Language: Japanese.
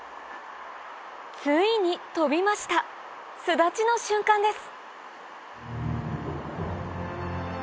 ついに飛びました巣立ちの瞬間です！